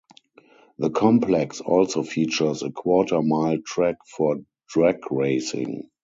The complex also features a quarter-mile track for drag racing.